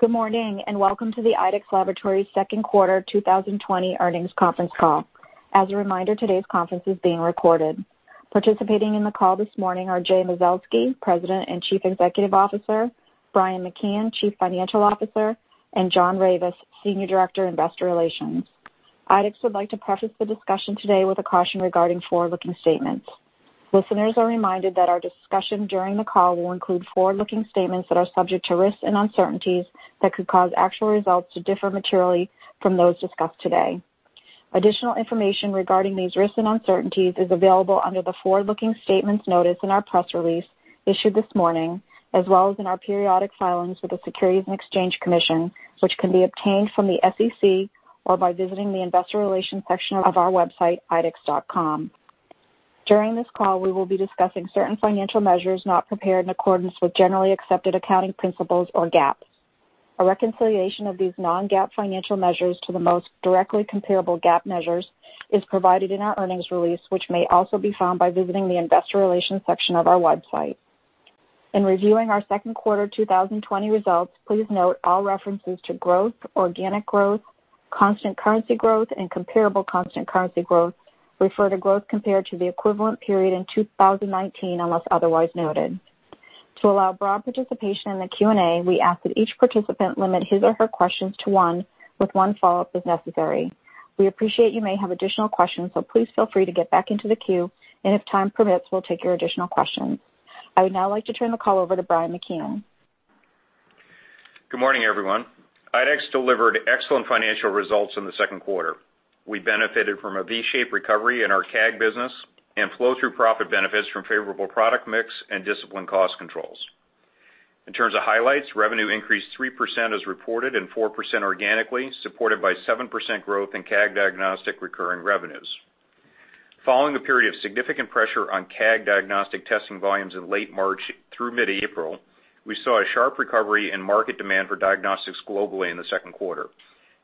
Good morning, and welcome to the IDEXX Laboratories second quarter 2020 earnings conference call. As a reminder, today's conference is being recorded. Participating in the call this morning are Jay Mazelsky, President and Chief Executive Officer, Brian McKeon, Chief Financial Officer, and John Ravis, Senior Director, Investor Relations. IDEXX would like to preface the discussion today with a caution regarding forward-looking statements. Listeners are reminded that our discussion during the call will include forward-looking statements that are subject to risks and uncertainties that could cause actual results to differ materially from those discussed today. Additional information regarding these risks and uncertainties is available under the forward-looking statements notice in our press release issued this morning, as well as in our periodic filings with the Securities and Exchange Commission, which can be obtained from the SEC or by visiting the investor relations section of our website, idexx.com. During this call, we will be discussing certain financial measures not prepared in accordance with generally accepted accounting principles, or GAAP. A reconciliation of these non-GAAP financial measures to the most directly comparable GAAP measures is provided in our earnings release, which may also be found by visiting the investor relations section of our website. In reviewing our second quarter 2020 results, please note all references to growth, organic growth, constant currency growth, and comparable constant currency growth refer to growth compared to the equivalent period in 2019, unless otherwise noted. To allow broad participation in the Q&A, we ask that each participant limit his or her questions to one, with one follow-up as necessary. We appreciate you may have additional questions. Please feel free to get back into the queue, and if time permits, we'll take your additional questions. I would now like to turn the call over to Brian McKeon. Good morning, everyone. IDEXX delivered excellent financial results in the second quarter. We benefited from a V-shaped recovery in our Coag business and flow-through profit benefits from favorable product mix and disciplined cost controls. In terms of highlights, revenue increased 3% as reported and 4% organically, supported by 7% growth in Coag diagnostic recurring revenues. Following a period of significant pressure on Coag diagnostic testing volumes in late March through mid-April, we saw a sharp recovery in market demand for diagnostics globally in the second quarter,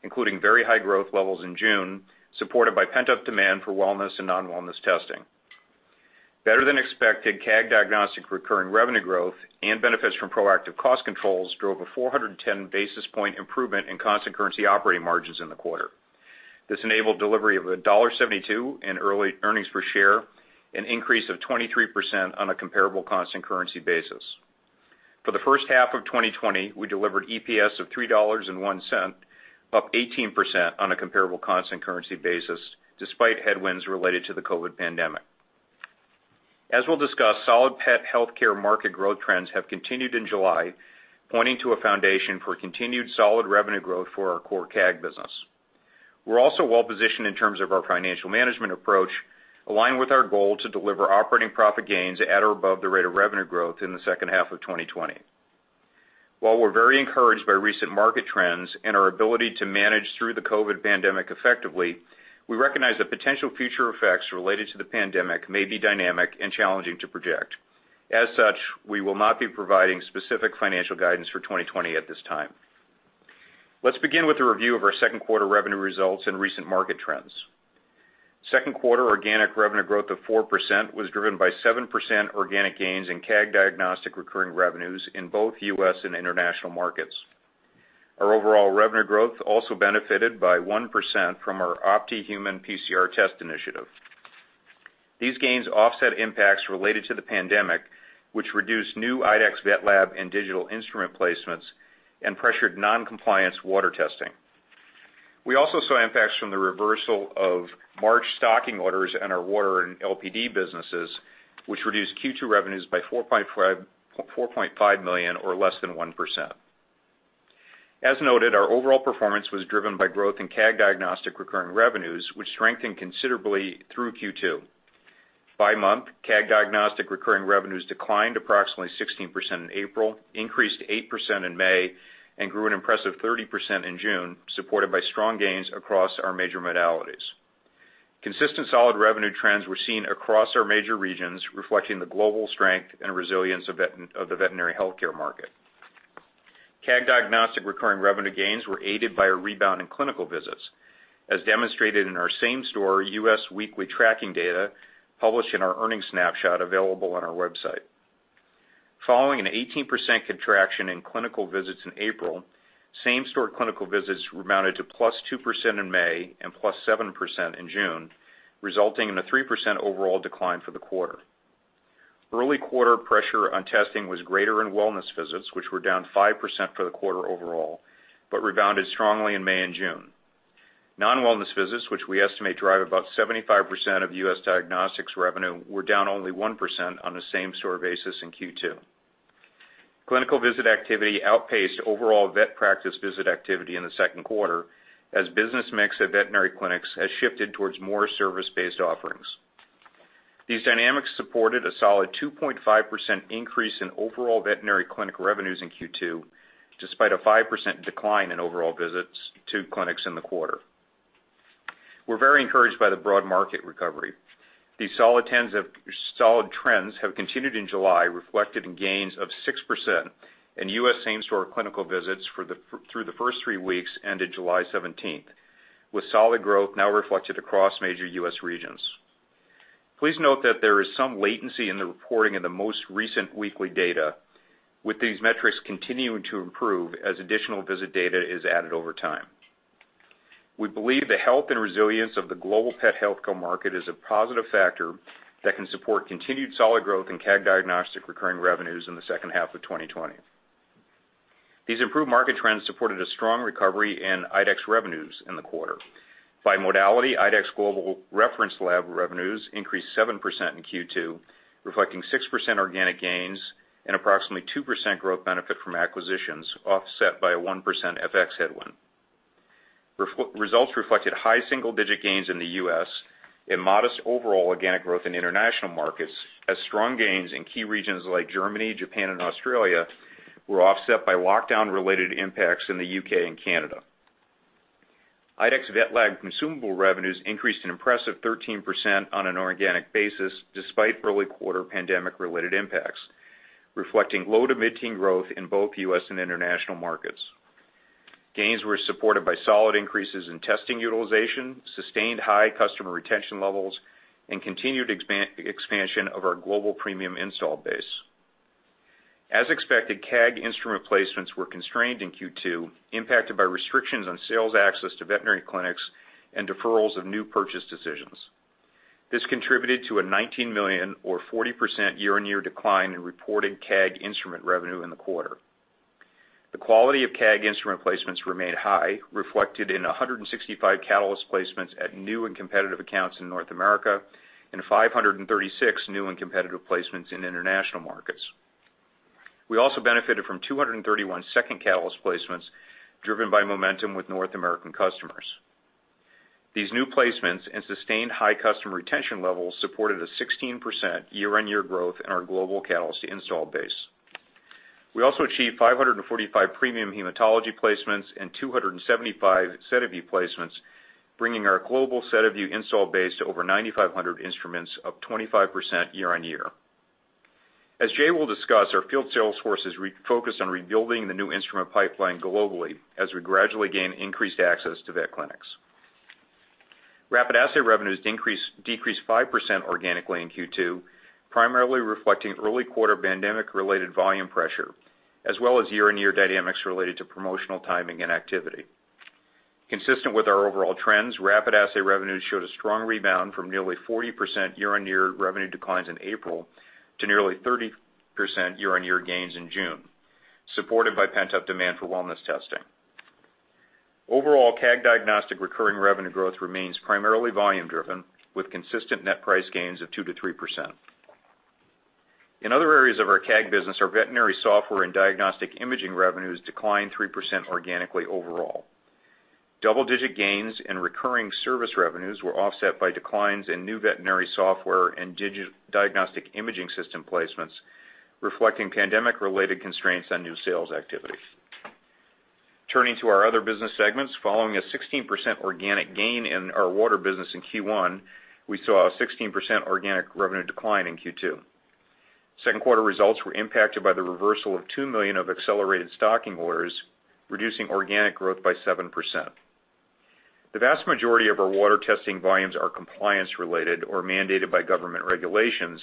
including very high growth levels in June, supported by pent-up demand for wellness and non-wellness testing. Better-than-expected Coag diagnostic recurring revenue growth and benefits from proactive cost controls drove a 410-basis point improvement in constant currency operating margins in the quarter. This enabled delivery of $1.72 in earnings per share, an increase of 23% on a comparable constant currency basis. For the first half of 2020, we delivered EPS of $3.01, up 18% on a comparable constant currency basis, despite headwinds related to the COVID pandemic. As we'll discuss, solid pet healthcare market growth trends have continued in July, pointing to a foundation for continued solid revenue growth for our core CAG business. We're also well-positioned in terms of our financial management approach, aligned with our goal to deliver operating profit gains at or above the rate of revenue growth in the second half of 2020. While we're very encouraged by recent market trends and our ability to manage through the COVID pandemic effectively, we recognize that potential future effects related to the pandemic may be dynamic and challenging to project. As such, we will not be providing specific financial guidance for 2020 at this time. Let's begin with a review of our second quarter revenue results and recent market trends. Second quarter organic revenue growth of 4% was driven by 7% organic gains in CAG diagnostic recurring revenues in both U.S. and international markets. Our overall revenue growth also benefited by 1% from our OPTI Human PCR test initiative. These gains offset impacts related to the pandemic, which reduced new IDEXX VetLab and digital instrument placements and pressured non-compliance water testing. We also saw impacts from the reversal of March stocking orders in our water and LPD businesses, which reduced Q2 revenues by $4.5 million or less than 1%. As noted, our overall performance was driven by growth in CAG diagnostic recurring revenues, which strengthened considerably through Q2. By month, CAG diagnostic recurring revenues declined approximately 16% in April, increased 8% in May, and grew an impressive 30% in June, supported by strong gains across our major modalities. Consistent solid revenue trends were seen across our major regions, reflecting the global strength and resilience of the veterinary healthcare market. Coag diagnostic recurring revenue gains were aided by a rebound in clinical visits, as demonstrated in our same-store U.S. weekly tracking data published in our earnings snapshot available on our website. Following an 18% contraction in clinical visits in April, same-store clinical visits rebounded to +2% in May and +7% in June, resulting in a 3% overall decline for the quarter. Early quarter pressure on testing was greater in wellness visits, which were down 5% for the quarter overall, but rebounded strongly in May and June. Non-wellness visits, which we estimate drive about 75% of U.S. diagnostics revenue, were down only 1% on a same-store basis in Q2. Clinical visit activity outpaced overall vet practice visit activity in the second quarter, as business mix at veterinary clinics has shifted towards more service-based offerings. These dynamics supported a solid 2.5% increase in overall veterinary clinic revenues in Q2, despite a 5% decline in overall visits to clinics in the quarter. We're very encouraged by the broad market recovery. These solid trends have continued in July, reflected in gains of 6% in U.S. same-store clinical visits through the first three weeks ended July 17th, with solid growth now reflected across major U.S. regions. Please note that there is some latency in the reporting of the most recent weekly data, with these metrics continuing to improve as additional visit data is added over time. We believe the health and resilience of the global pet healthcare market is a positive factor that can support continued solid growth in CAG Diagnostic recurring revenues in the second half of 2020. These improved market trends supported a strong recovery in IDEXX revenues in the quarter. By modality, IDEXX Global Reference Lab revenues increased 7% in Q2, reflecting 6% organic gains and approximately 2% growth benefit from acquisitions, offset by a 1% FX headwind. Results reflected high single-digit gains in the U.S. and modest overall organic growth in international markets, as strong gains in key regions like Germany, Japan, and Australia were offset by lockdown-related impacts in the U.K. and Canada. IDEXX VetLab consumable revenues increased an impressive 13% on an organic basis, despite early-quarter pandemic-related impacts, reflecting low-to-mid-teen growth in both U.S. and international markets. Gains were supported by solid increases in testing utilization, sustained high customer retention levels, and continued expansion of our global premium install base. As expected, CAG instrument placements were constrained in Q2, impacted by restrictions on sales access to veterinary clinics and deferrals of new purchase decisions. This contributed to a $19 million or 40% year-on-year decline in reported CAG instrument revenue in the quarter. The quality of CAG instrument placements remained high, reflected in 165 Catalyst placements at new and competitive accounts in North America and 536 new and competitive placements in international markets. We also benefited from 231 second Catalyst placements driven by momentum with North American customers. These new placements and sustained high customer retention levels supported a 16% year-on-year growth in our global Catalyst install base. We also achieved 545 premium hematology placements and 275 SediVue placements, bringing our global SediVue install base to over 9,500 instruments, up 25% year-on-year. As Jay will discuss, our field sales force is refocused on rebuilding the new instrument pipeline globally as we gradually gain increased access to vet clinics. Rapid assay revenues decreased 5% organically in Q2, primarily reflecting early-quarter pandemic-related volume pressure, as well as year-on-year dynamics related to promotional timing and activity. Consistent with our overall trends, rapid assay revenues showed a strong rebound from nearly 40% year-on-year revenue declines in April to nearly 30% year-on-year gains in June, supported by pent-up demand for wellness testing. CAG Diagnostic recurring revenue growth remains primarily volume driven, with consistent net price gains of 2%-3%. In other areas of our CAG business, our veterinary software and diagnostic imaging revenues declined 3% organically overall. Double-digit gains in recurring service revenues were offset by declines in new veterinary software and diagnostic imaging system placements, reflecting pandemic-related constraints on new sales activity. Turning to our other business segments, following a 16% organic gain in our water business in Q1, we saw a 16% organic revenue decline in Q2. Second quarter results were impacted by the reversal of $2 million of accelerated stocking orders, reducing organic growth by 7%. The vast majority of our water testing volumes are compliance related or mandated by government regulations,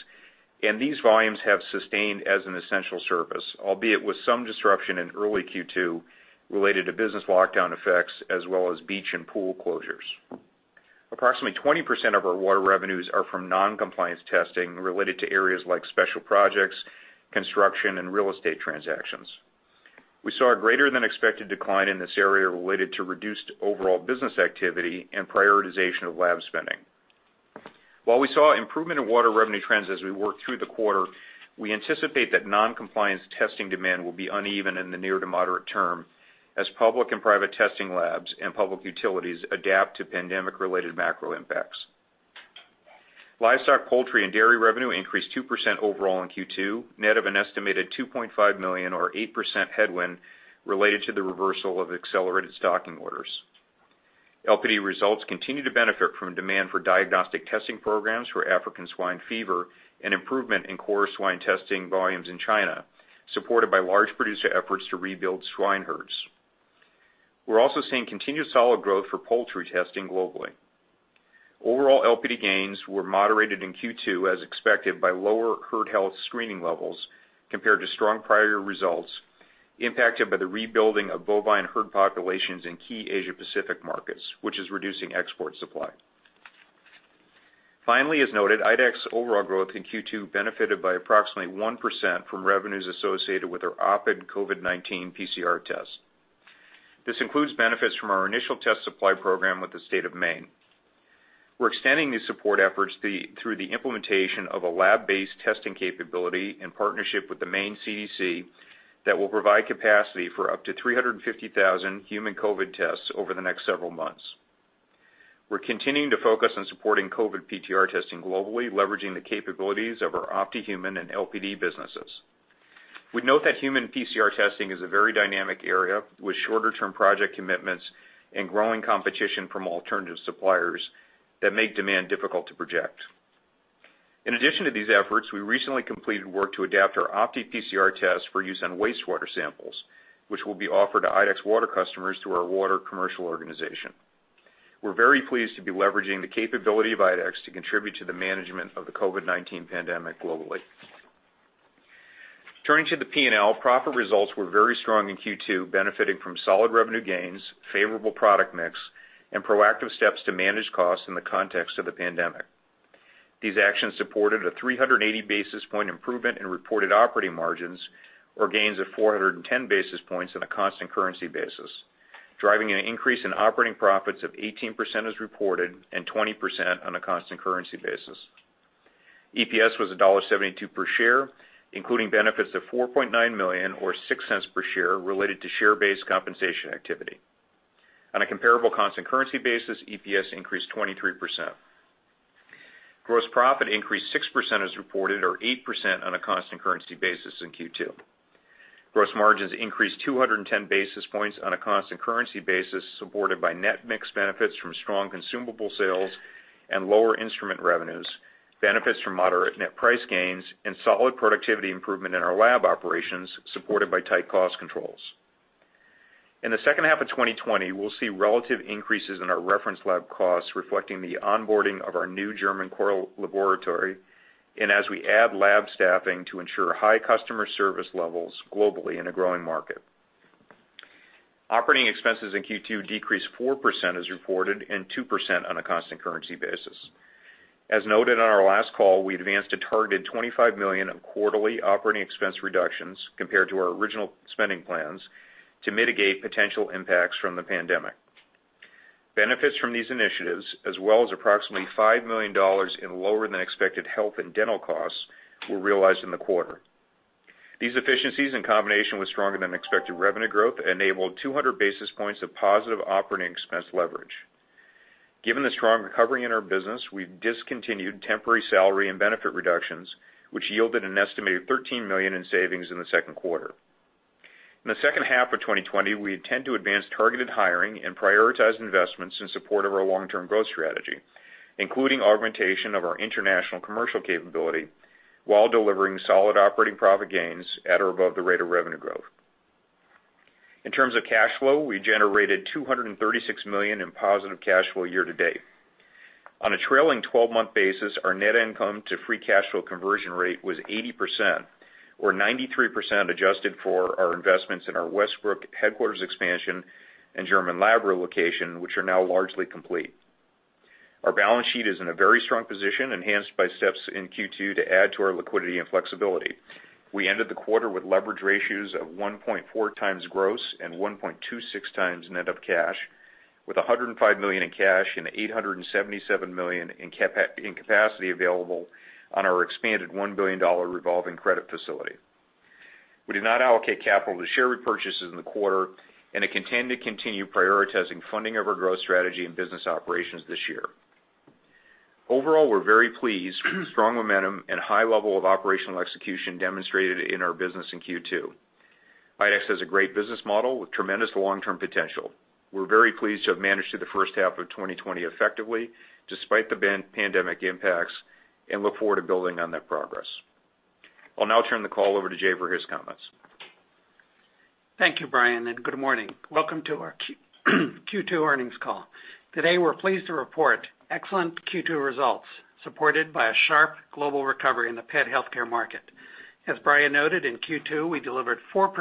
and these volumes have sustained as an essential service, albeit with some disruption in early Q2 related to business lockdown effects, as well as beach and pool closures. Approximately 20% of our water revenues are from non-compliance testing related to areas like special projects, construction, and real estate transactions. We saw a greater-than-expected decline in this area related to reduced overall business activity and prioritization of lab spending. While we saw improvement in water revenue trends as we worked through the quarter, we anticipate that non-compliance testing demand will be uneven in the near to moderate term as public and private testing labs and public utilities adapt to pandemic-related macro impacts. Livestock, poultry, and dairy revenue increased 2% overall in Q2, net of an estimated $2.5 million or 8% headwind related to the reversal of accelerated stocking orders. LPD results continue to benefit from demand for diagnostic testing programs for African swine fever and improvement in core swine testing volumes in China, supported by large producer efforts to rebuild swine herds. We're also seeing continued solid growth for poultry testing globally. Overall LPD gains were moderated in Q2, as expected, by lower herd health screening levels compared to strong prior results impacted by the rebuilding of bovine herd populations in key Asia-Pacific markets, which is reducing export supply. Finally, as noted, IDEXX overall growth in Q2 benefited by approximately 1% from revenues associated with our OPTI COVID-19 PCR test. This includes benefits from our initial test supply program with the state of Maine. We're extending these support efforts through the implementation of a lab-based testing capability in partnership with the Maine CDC that will provide capacity for up to 350,000 human COVID tests over the next several months. We're continuing to focus on supporting COVID PCR testing globally, leveraging the capabilities of our OPTI human and LPD businesses. We note that human PCR testing is a very dynamic area with shorter-term project commitments and growing competition from alternative suppliers that make demand difficult to project. In addition to these efforts, we recently completed work to adapt our OPTI PCR test for use on wastewater samples, which will be offered to IDEXX water customers through our water commercial organization. We are very pleased to be leveraging the capability of IDEXX to contribute to the management of the COVID-19 pandemic globally. Turning to the P&L, profit results were very strong in Q2, benefiting from solid revenue gains, favorable product mix, and proactive steps to manage costs in the context of the pandemic. These actions supported a 380 basis point improvement in reported operating margins, or gains of 410 basis points on a constant currency basis, driving an increase in operating profits of 18% as reported and 20% on a constant currency basis. EPS was $1.72 per share, including benefits of $4.9 million or $0.06 per share related to share-based compensation activity. On a comparable constant currency basis, EPS increased 23%. Gross profit increased 6% as reported or 8% on a constant currency basis in Q2. Gross margins increased 210 basis points on a constant currency basis, supported by net mix benefits from strong consumable sales and lower instrument revenues, benefits from moderate net price gains, and solid productivity improvement in our lab operations, supported by tight cost controls. In the second half of 2020, we'll see relative increases in our reference lab costs reflecting the onboarding of our new German core laboratory, and as we add lab staffing to ensure high customer service levels globally in a growing market. Operating expenses in Q2 decreased 4% as reported and 2% on a constant currency basis. As noted on our last call, we advanced a targeted $25 million of quarterly operating expense reductions compared to our original spending plans to mitigate potential impacts from the pandemic. Benefits from these initiatives, as well as approximately $5 million in lower than expected health and dental costs, were realized in the quarter. These efficiencies, in combination with stronger than expected revenue growth, enabled 200 basis points of positive operating expense leverage. Given the strong recovery in our business, we've discontinued temporary salary and benefit reductions, which yielded an estimated $13 million in savings in the second quarter. In the second half of 2020, we intend to advance targeted hiring and prioritize investments in support of our long-term growth strategy, including augmentation of our international commercial capability while delivering solid operating profit gains at or above the rate of revenue growth. In terms of cash flow, we generated $236 million in positive cash flow year-to-date. On a trailing 12-month basis, our net income to free cash flow conversion rate was 80%, or 93% adjusted for our investments in our Westbrook headquarters expansion and German lab relocation, which are now largely complete. Our balance sheet is in a very strong position, enhanced by steps in Q2 to add to our liquidity and flexibility. We ended the quarter with leverage ratios of 1.4x gross and 1.26x net of cash, with $105 million in cash and $877 million in capacity available on our expanded $1 billion revolving credit facility. We did not allocate capital to share repurchases in the quarter, and intend to continue prioritizing funding of our growth strategy and business operations this year. Overall, we're very pleased with the strong momentum and high level of operational execution demonstrated in our business in Q2. IDEXX has a great business model with tremendous long-term potential. We're very pleased to have managed through the first half of 2020 effectively, despite the pandemic impacts, and look forward to building on that progress. I'll now turn the call over to Jay for his comments. Thank you, Brian, and good morning. Welcome to our Q2 earnings call. Today, we're pleased to report excellent Q2 results, supported by a sharp global recovery in the pet healthcare market. As Brian noted, in Q2, we delivered 4%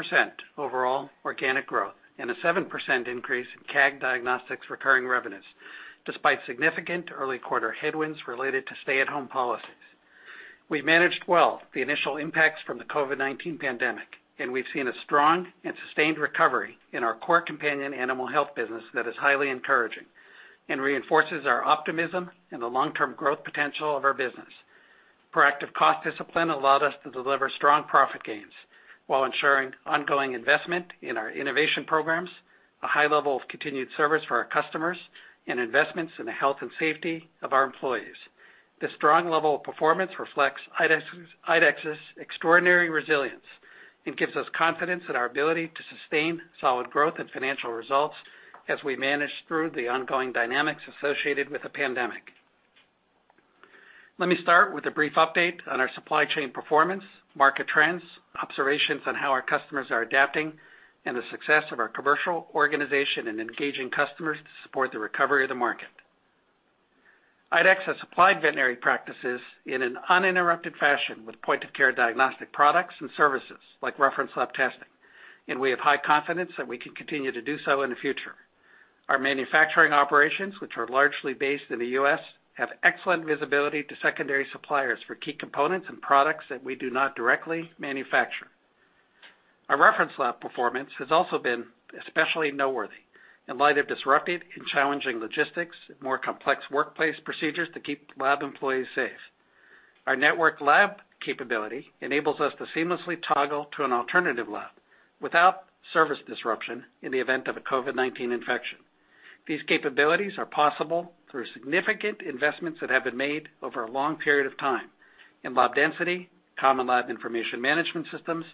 overall organic growth and a 7% increase in CAG Diagnostics recurring revenues, despite significant early quarter headwinds related to stay-at-home policies. We managed well the initial impacts from the COVID-19 pandemic, and we've seen a strong and sustained recovery in our core companion animal health business that is highly encouraging and reinforces our optimism in the long-term growth potential of our business. Proactive cost discipline allowed us to deliver strong profit gains while ensuring ongoing investment in our innovation programs, a high level of continued service for our customers, and investments in the health and safety of our employees. This strong level of performance reflects IDEXX's extraordinary resilience and gives us confidence in our ability to sustain solid growth and financial results as we manage through the ongoing dynamics associated with the pandemic. Let me start with a brief update on our supply chain performance, market trends, observations on how our customers are adapting, and the success of our commercial organization in engaging customers to support the recovery of the market. IDEXX has supplied veterinary practices in an uninterrupted fashion with point-of-care diagnostic products and services like reference lab testing, and we have high confidence that we can continue to do so in the future. Our manufacturing operations, which are largely based in the U.S., have excellent visibility to secondary suppliers for key components and products that we do not directly manufacture. Our reference lab performance has also been especially noteworthy in light of disrupted and challenging logistics and more complex workplace procedures to keep lab employees safe. Our network lab capability enables us to seamlessly toggle to an alternative lab without service disruption in the event of a COVID-19 infection. These capabilities are possible through significant investments that have been made over a long period of time in lab density, common lab information management systems,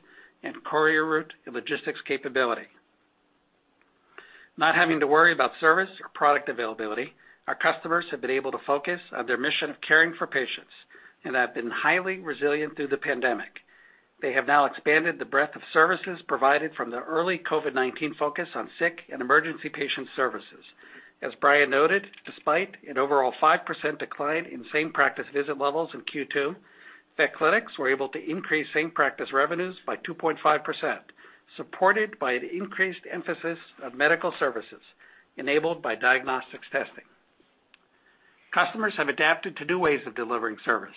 and courier route and logistics capability. Not having to worry about service or product availability, our customers have been able to focus on their mission of caring for patients and have been highly resilient through the pandemic. They have now expanded the breadth of services provided from the early COVID-19 focus on sick and emergency patient services. As Brian noted, despite an overall 5% decline in same-practice visit levels in Q2, vet clinics were able to increase same-practice revenues by 2.5%, supported by an increased emphasis of medical services enabled by diagnostics testing. Customers have adapted to new ways of delivering service,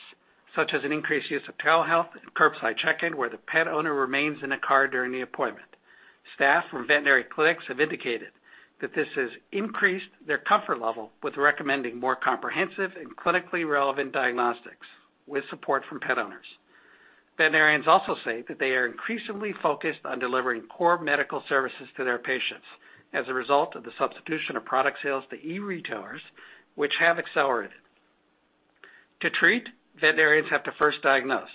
such as an increased use of telehealth and curbside check-in, where the pet owner remains in the car during the appointment. Staff from veterinary clinics have indicated that this has increased their comfort level with recommending more comprehensive and clinically relevant diagnostics with support from pet owners. Veterinarians also say that they are increasingly focused on delivering core medical services to their patients as a result of the substitution of product sales to e-retailers, which have accelerated. To treat, veterinarians have to first diagnose,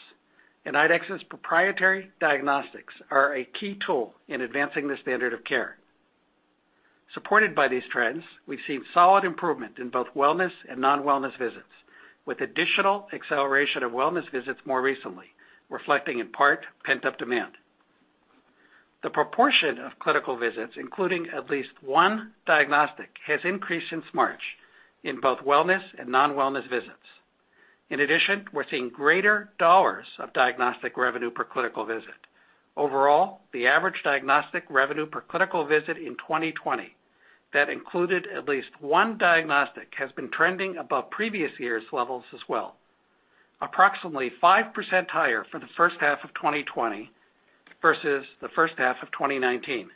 and IDEXX's proprietary diagnostics are a key tool in advancing the standard of care. Supported by these trends, we've seen solid improvement in both wellness and non-wellness visits, with additional acceleration of wellness visits more recently, reflecting in part pent-up demand. The proportion of clinical visits including at least one diagnostic has increased since March in both wellness and non-wellness visits. In addition, we're seeing greater dollars of diagnostic revenue per clinical visit. Overall, the average diagnostic revenue per clinical visit in 2020 that included at least one diagnostic has been trending above previous year's levels as well, approximately 5% higher for the first half of 2020 versus the first half of 2019.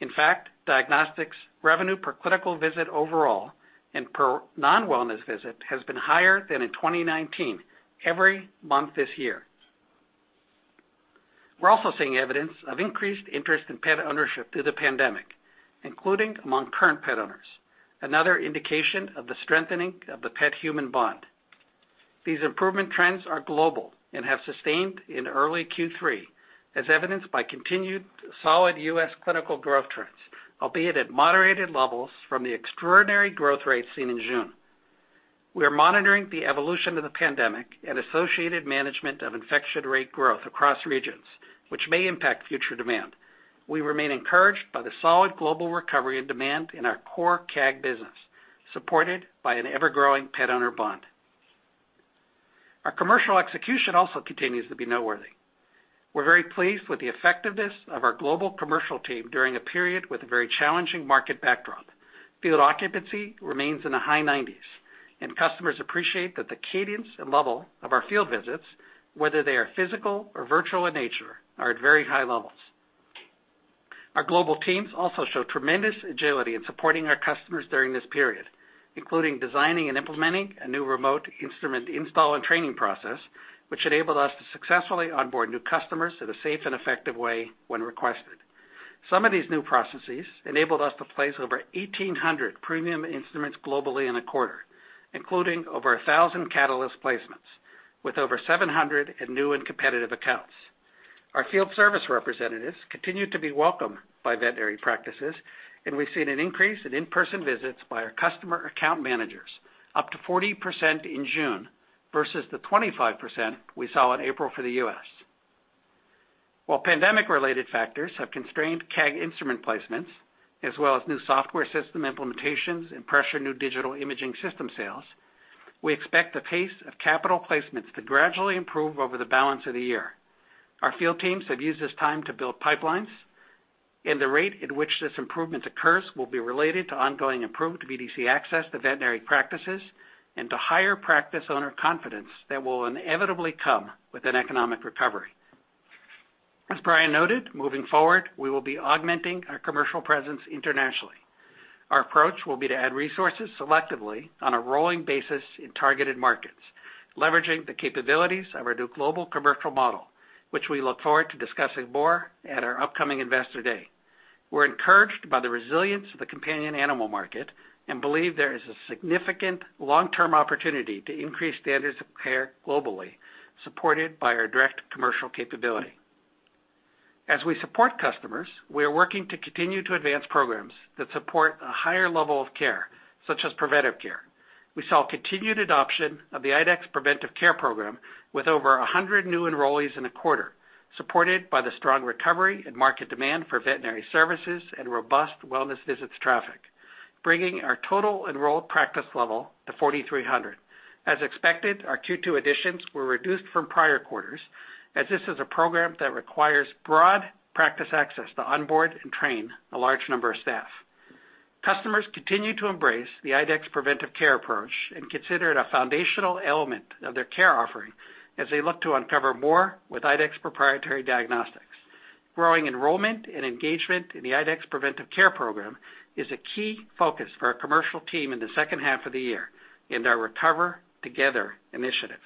In fact, diagnostics revenue per clinical visit overall and per non-wellness visit has been higher than in 2019 every month this year. We're also seeing evidence of increased interest in pet ownership through the pandemic, including among current pet owners, another indication of the strengthening of the pet-human bond. These improvement trends are global and have sustained in early Q3, as evidenced by continued solid U.S. clinical growth trends, albeit at moderated levels from the extraordinary growth rates seen in June. We are monitoring the evolution of the pandemic and associated management of infection rate growth across regions, which may impact future demand. We remain encouraged by the solid global recovery and demand in our core CAG business, supported by an ever-growing pet-owner bond. Our commercial execution also continues to be noteworthy. We're very pleased with the effectiveness of our global commercial team during a period with a very challenging market backdrop. Field occupancy remains in the high 90s, and customers appreciate that the cadence and level of our field visits, whether they are physical or virtual in nature, are at very high levels. Our global teams also show tremendous agility in supporting our customers during this period, including designing and implementing a new remote instrument install and training process, which enabled us to successfully onboard new customers in a safe and effective way when requested. Some of these new processes enabled us to place over 1,800 premium instruments globally in a quarter, including over 1,000 Catalyst placements, with over 700 in new and competitive accounts. Our field service representatives continue to be welcome by veterinary practices, and we've seen an increase in in-person visits by our customer account managers, up to 40% in June versus the 25% we saw in April for the U.S. While pandemic-related factors have constrained CAG instrument placements as well as new software system implementations and pressured new digital imaging system sales, we expect the pace of capital placements to gradually improve over the balance of the year. Our field teams have used this time to build pipelines, and the rate at which this improvement occurs will be related to ongoing improved VDC access to veterinary practices and to higher practice owner confidence that will inevitably come with an economic recovery. As Brian noted, moving forward, we will be augmenting our commercial presence internationally. Our approach will be to add resources selectively on a rolling basis in targeted markets, leveraging the capabilities of our new global commercial model, which we look forward to discussing more at our upcoming Investor Day. We're encouraged by the resilience of the companion animal market and believe there is a significant long-term opportunity to increase standards of care globally, supported by our direct commercial capability. As we support customers, we are working to continue to advance programs that support a higher level of care, such as IDEXX Preventive Care. We saw continued adoption of the IDEXX Preventive Care program with over 100 new enrollees in a quarter, supported by the strong recovery and market demand for veterinary services and robust wellness visits traffic, bringing our total enrolled practice level to 4,300. As expected, our Q2 additions were reduced from prior quarters, as this is a program that requires broad practice access to onboard and train a large number of staff. Customers continue to embrace the IDEXX Preventive Care approach and consider it a foundational element of their care offering as they look to uncover more with IDEXX proprietary diagnostics. Growing enrollment and engagement in the IDEXX Preventive Care program is a key focus for our commercial team in the second half of the year in our Recover Together initiative.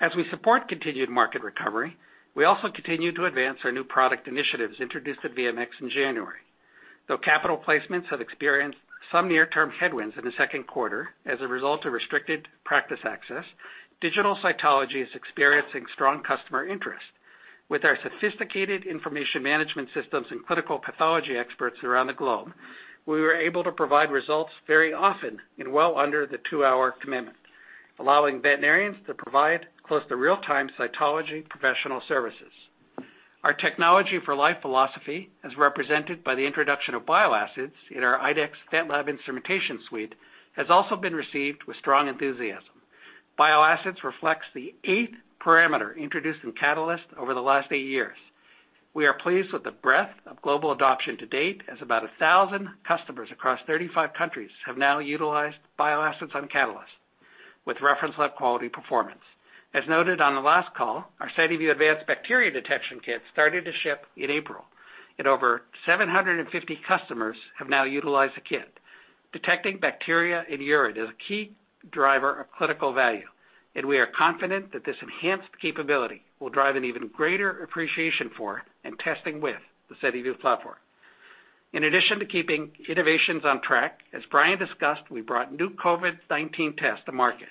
As we support continued market recovery, we also continue to advance our new product initiatives introduced at VMX in January. Though capital placements have experienced some near-term headwinds in the second quarter as a result of restricted practice access, digital cytology is experiencing strong customer interest. With our sophisticated information management systems and clinical pathology experts around the globe, we were able to provide results very often in well under the two-hour commitment, allowing veterinarians to provide close to real-time cytology professional services. Our Technology for Life philosophy, as represented by the introduction of bile acids in our IDEXX VetLab instrumentation suite, has also been received with strong enthusiasm. Bile acids reflects the eighth parameter introduced in Catalyst over the last eight years. We are pleased with the breadth of global adoption to date, as about 1,000 customers across 35 countries have now utilized bile acids on Catalyst with reference lab quality performance. As noted on the last call, our SediVue Advanced Bacteria Detection kit started to ship in April, and over 750 customers have now utilized the kit. Detecting bacteria in urine is a key driver of clinical value, we are confident that this enhanced capability will drive an even greater appreciation for and testing with the SediVue platform. In addition to keeping innovations on track, as Brian discussed, we brought new COVID-19 tests to market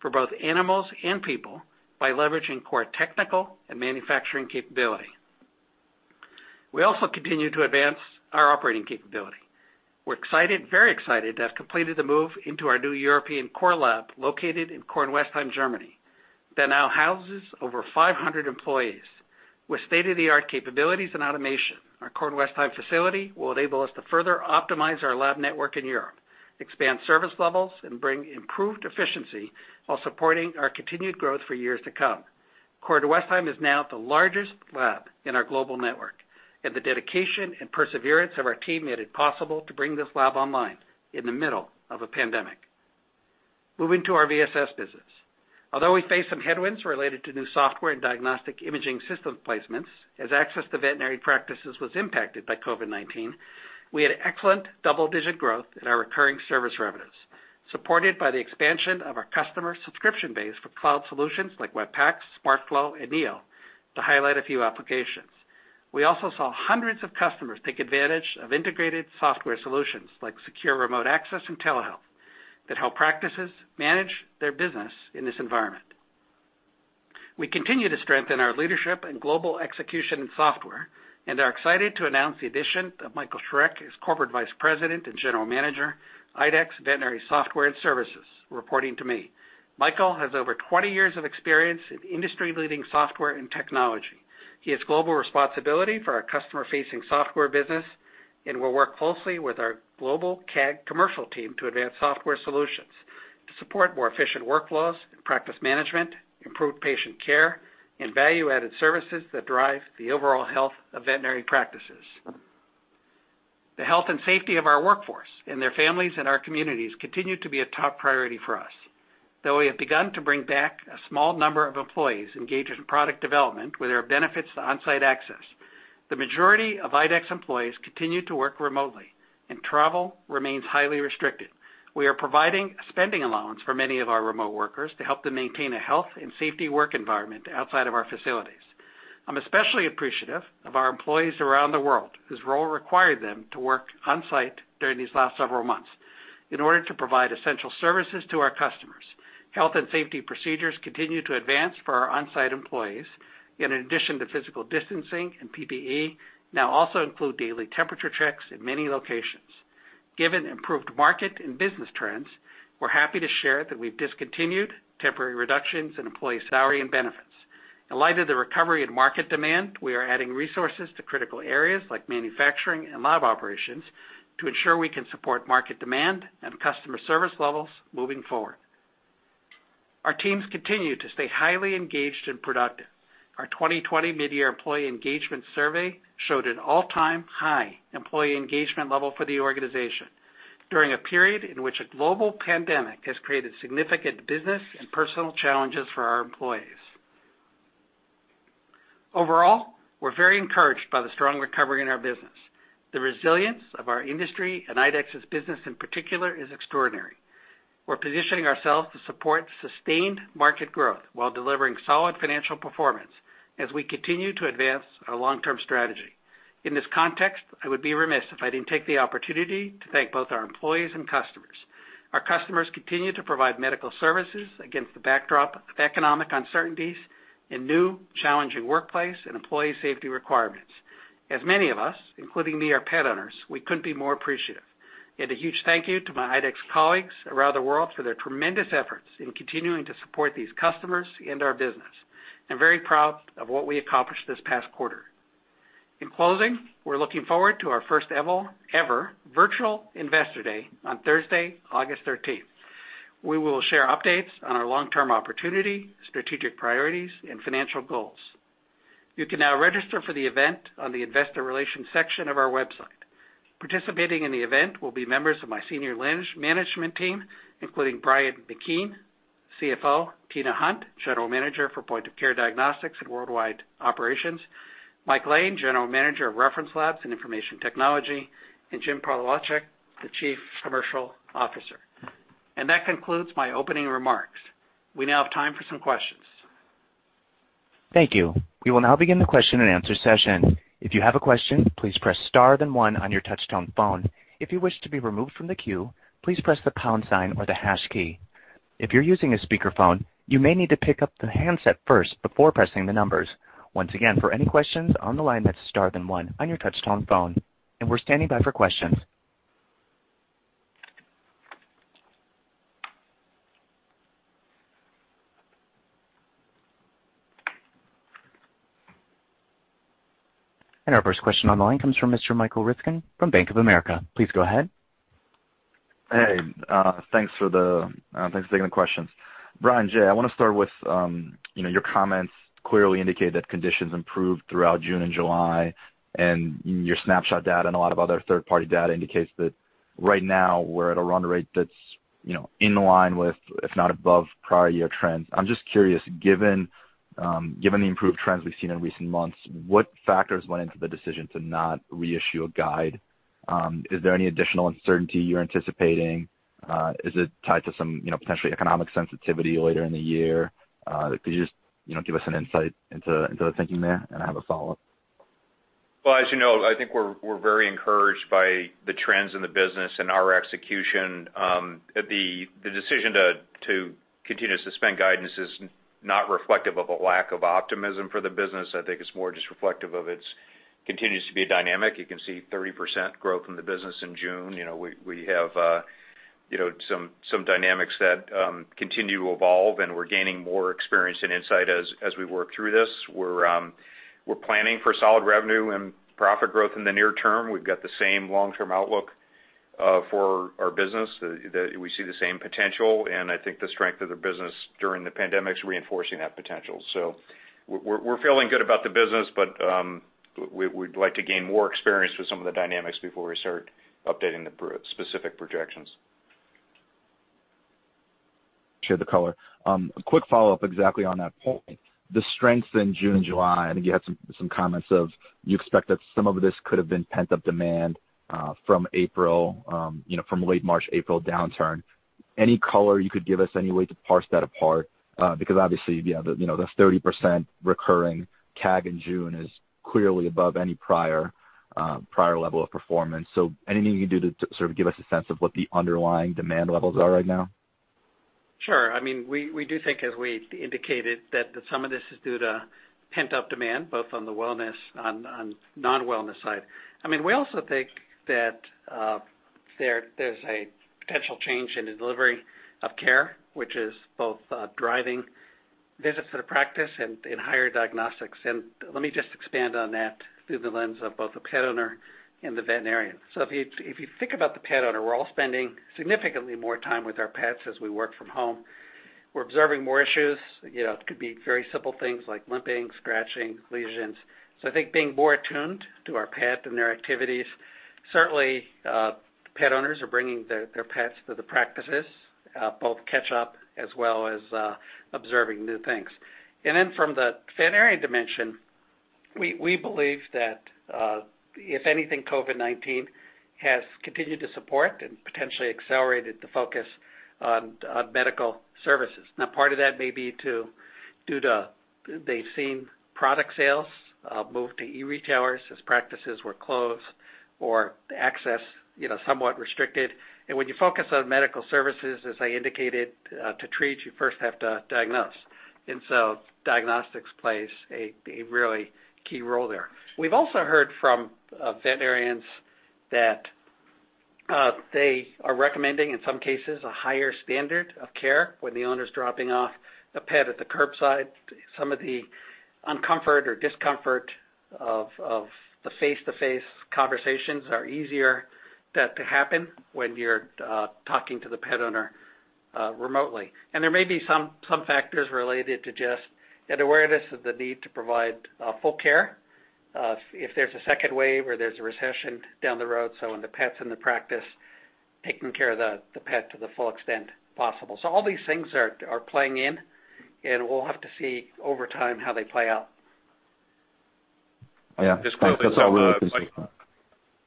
for both animals and people by leveraging core technical and manufacturing capability. We also continue to advance our operating capability. We're very excited to have completed the move into our new European core lab, located in Kornwestheim, Germany, that now houses over 500 employees. With state-of-the-art capabilities and automation, our Kornwestheim facility will enable us to further optimize our lab network in Europe, expand service levels, and bring improved efficiency while supporting our continued growth for years to come. Kornwestheim is now the largest lab in our global network. The dedication and perseverance of our team made it possible to bring this lab online in the middle of a pandemic. Moving to our VSS business. Although we faced some headwinds related to new software and diagnostic imaging system placements, as access to veterinary practices was impacted by COVID-19, we had excellent double-digit growth in our recurring service revenues, supported by the expansion of our customer subscription base for cloud solutions like Web PACS, SmartFlow, and Neo, to highlight a few applications. We also saw hundreds of customers take advantage of integrated software solutions like secure remote access and telehealth that help practices manage their business in this environment. We continue to strengthen our leadership and global execution in software and are excited to announce the addition of Michael Schreck as Corporate Vice President and General Manager, IDEXX Veterinary Software and Services, reporting to me. Michael has over 20 years of experience in industry-leading software and technology. He has global responsibility for our customer-facing software business and will work closely with our global CAG commercial team to advance software solutions to support more efficient workflows and practice management, improved patient care, and value-added services that drive the overall health of veterinary practices. The health and safety of our workforce and their families and our communities continue to be a top priority for us. Though we have begun to bring back a small number of employees engaged in product development where there are benefits to onsite access, the majority of IDEXX employees continue to work remotely, and travel remains highly restricted. We are providing a spending allowance for many of our remote workers to help them maintain a health and safety work environment outside of our facilities. I'm especially appreciative of our employees around the world whose role required them to work on-site during these last several months in order to provide essential services to our customers. Health and safety procedures continue to advance for our on-site employees, and in addition to physical distancing and PPE, now also include daily temperature checks in many locations. Given improved market and business trends, we're happy to share that we've discontinued temporary reductions in employee salary and benefits. In light of the recovery in market demand, we are adding resources to critical areas like manufacturing and lab operations to ensure we can support market demand and customer service levels moving forward. Our teams continue to stay highly engaged and productive. Our 2020 mid-year employee engagement survey showed an all-time high employee engagement level for the organization during a period in which a global pandemic has created significant business and personal challenges for our employees. Overall, we're very encouraged by the strong recovery in our business. The resilience of our industry and IDEXX's business, in particular, is extraordinary. We're positioning ourselves to support sustained market growth while delivering solid financial performance as we continue to advance our long-term strategy. In this context, I would be remiss if I didn't take the opportunity to thank both our employees and customers. Our customers continue to provide medical services against the backdrop of economic uncertainties and new challenging workplace and employee safety requirements. As many of us, including me, are pet owners, we couldn't be more appreciative. A huge thank you to my IDEXX colleagues around the world for their tremendous efforts in continuing to support these customers and our business. I'm very proud of what we accomplished this past quarter. In closing, we're looking forward to our first ever virtual Investor Day on Thursday, August 13th. We will share updates on our long-term opportunity, strategic priorities, and financial goals. You can now register for the event on the investor relations section of our website. Participating in the event will be members of my senior management team, including Brian McKeon, CFO, Tina Hunt, General Manager for Point of Care Diagnostics and Worldwide Operations, Michael Lane, General Manager of Reference Labs and Information Technology, and James Polewaczyk, the Chief Commercial Officer. That concludes my opening remarks. We now have time for some questions. Thank you. We will now begin the question and answer session. If you have a question, please press star then one on your touchtone phone. If you wish to be removed from the queue, please press the pound sign or the hash key. If you're using a speakerphone, you may need to pick up the handset first before pressing the numbers. Once again, for any questions, on the line, press star then one on your touchtone phone, we're standing by for questions. Our first question online comes from Mr. Michael Ryskin from Bank of America. Please go ahead. Hey, thanks for taking the questions. Brian, Jay, I want to start with your comments clearly indicate that conditions improved throughout June and July, and your snapshot data and a lot of other third-party data indicates that right now we're at a run rate that's in line with, if not above, prior year trends. I'm just curious, given the improved trends we've seen in recent months, what factors went into the decision to not reissue a guide? Is there any additional uncertainty you're anticipating? Is it tied to some potentially economic sensitivity later in the year? Could you just give us an insight into the thinking there? I have a follow-up. Well, as you know, I think we're very encouraged by the trends in the business and our execution. The decision to continue to suspend guidance is not reflective of a lack of optimism for the business. I think it's more just reflective of it continues to be a dynamic. You can see 30% growth in the business in June. We have some dynamics that continue to evolve, and we're gaining more experience and insight as we work through this. We're planning for solid revenue and profit growth in the near term. We've got the same long-term outlook for our business. We see the same potential, and I think the strength of the business during the pandemic is reinforcing that potential. We're feeling good about the business, but we'd like to gain more experience with some of the dynamics before we start updating the specific projections. Share the color. Quick follow-up exactly on that point. The strength in June and July, I think you had some comments of you expect that some of this could have been pent-up demand from late March, April downturn. Any color you could give us, any way to parse that apart? Obviously, the 30% recurring CAG in June is clearly above any prior level of performance. Anything you can do to sort of give us a sense of what the underlying demand levels are right now? Sure. We do think, as we indicated, that some of this is due to pent-up demand, both on the wellness and non-wellness side. We also think that there's a potential change in the delivery of care, which is both driving visits to the practice and higher diagnostics. Let me just expand on that through the lens of both the pet owner and the veterinarian. If you think about the pet owner, we're all spending significantly more time with our pets as we work from home. We're observing more issues. It could be very simple things like limping, scratching, lesions. I think being more attuned to our pet and their activities. Certainly, pet owners are bringing their pets to the practices, both catch-up as well as observing new things. Then from the veterinarian dimension, we believe that, if anything, COVID-19 has continued to support and potentially accelerated the focus on medical services. Part of that may be due to they've seen product sales move to e-retailers as practices were closed or access somewhat restricted. When you focus on medical services, as I indicated, to treat, you first have to diagnose. Diagnostics plays a really key role there. We've also heard from veterinarians that they are recommending, in some cases, a higher standard of care when the owner's dropping off a pet at the curbside. Some of the discomfort of the face-to-face conversations are easier to happen when you're talking to the pet owner remotely. There may be some factors related to just an awareness of the need to provide full care if there's a second wave or there's a recession down the road, when the pet's in the practice, taking care of the pet to the full extent possible. All these things are playing in, and we'll have to see over time how they play out. Yeah. That's all really interesting.